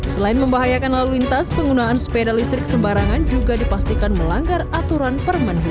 selain membahayakan lalu lintas penggunaan sepeda listrik sembarangan juga dipastikan melanggar aturan permen hub